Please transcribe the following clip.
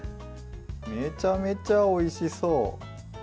めちゃめちゃおいしそう！